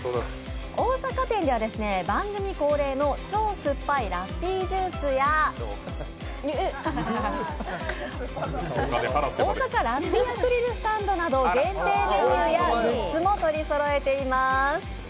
大阪店では番組恒例の超酸っぱいラッピージュースや大阪ラッピーアクリルスタンドなど限定メニューやグッズも取りそろえています。